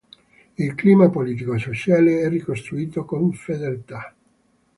Il clima politico-sociale è ricostruito con fedeltà.